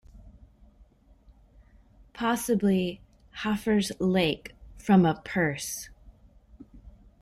Possibly 'Hafr's lake', from a pers.